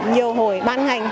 nhiều hồi ban ngành